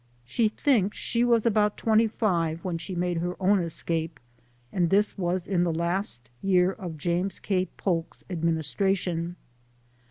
She thinks she was about 25 when she made her own escape, and this was in the last year of James K. Folk's administra tion.